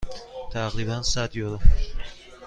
تقریبا صد یورو.